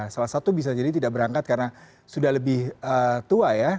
salah satu bisa jadi tidak berangkat karena sudah lebih tua ya